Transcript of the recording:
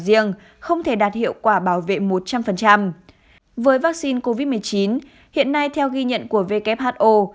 riêng không thể đạt hiệu quả bảo vệ một trăm linh với vắc xin covid một mươi chín hiện nay theo ghi nhận của who